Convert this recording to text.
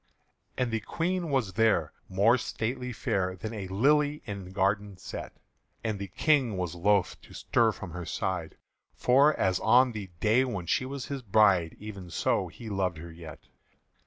And the Queen was there, more stately fair Than a lily in garden set; And the King was loth to stir from her side; For as on the day when she was his bride, Even so he loved her yet.